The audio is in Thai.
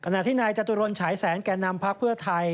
ขณะที่นายจตุรนต์ฉายแสนแก่นำพระพระเภอไทย